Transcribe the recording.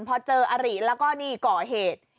พอเจออริแล้วก็นี่ก่อเหตุ